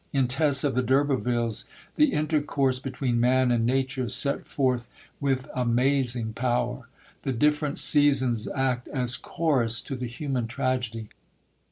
In Tess of the D'Urbervilles the intercourse between man and nature is set forth with amazing power. The different seasons act as chorus to the human tragedy.